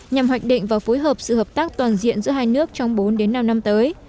nhằm hoạch định và phối hợp sự hợp tác toàn diện giữa hai nước trong bốn đến năm năm tới